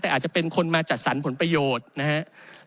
แต่อาจจะเป็นคนมาจัดสรรผลประโยชน์นะครับ